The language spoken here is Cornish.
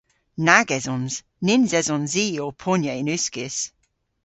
Nag esons. Nyns esons i ow ponya yn uskis.